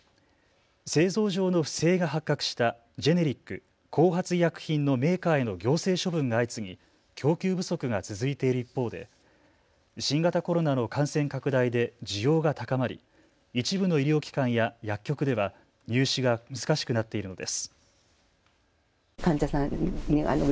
製造上の不正が発覚したジェネリック・後発医薬品のメーカーへの行政処分が相次ぎ供給不足が続いている一方で新型コロナの感染拡大で需要が高まり一部の医療機関や薬局では入手が難しくなっているのです。